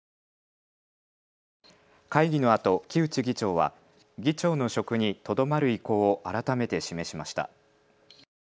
会議のあと木内議長は議長の職にとどまる意向を改めて示しました。